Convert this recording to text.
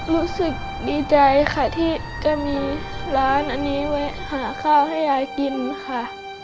รู้สึกดีใจค่ะที่จะมีร้านอันนี้ไว้หาข้าวให้ยายกินค่ะ